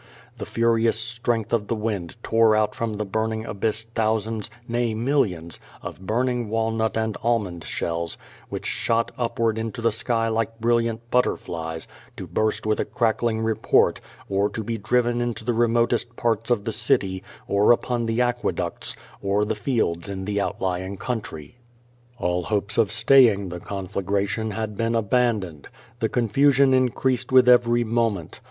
The furious strength of the wind tore out from the burning abyss thousands, nay millions, of burning walnut and almond shells which shot upward into the sky like brilliant butterflies, to burst with a crackling report, or to be driven into the remot est parts of the city, or upon the aqueducts, or the fields in the outlying country. All hopes of staying the conflagration had been abandoned. The confusion increased with every 325 326 0^^ VADI8. •• moment.